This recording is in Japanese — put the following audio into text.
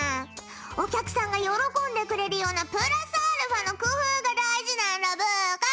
お客さんが喜んでくれるようなプラスアルファの工夫が大事なんだブーカ。